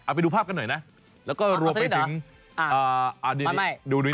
เอาไปดูภาพกันหน่อยนะแล้วก็รวมไปถึงดูดูนี่ดีกว่า